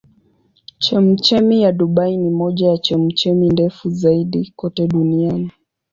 Chemchemi ya Dubai ni moja ya chemchemi ndefu zaidi kote duniani.